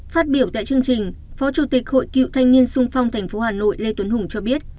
phát biểu tại chương trình phó chủ tịch hội cựu thanh niên sung phong tp hà nội lê tuấn hùng cho biết